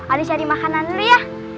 aduh cari makanan dulu ya